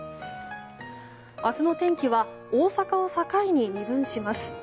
明日の天気は大阪を境に、二分します。